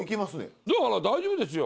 だから大丈夫ですよ。